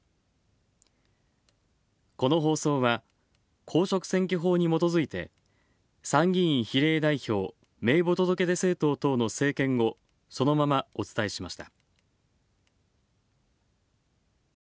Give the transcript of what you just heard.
この放送は、公職選挙法にもとづいて参議院比例代表名簿届出政党等の政見をそのままお伝えしました。